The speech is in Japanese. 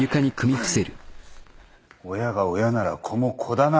親が親なら子も子だな。